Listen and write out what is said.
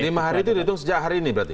lima hari itu dihitung sejak hari ini berarti